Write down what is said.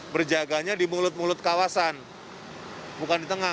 berjaganya di mulut mulut kawasan bukan di tengah